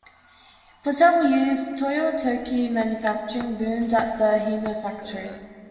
For several years, Toyo Tokei Manufacturing boomed at the Hino Factory.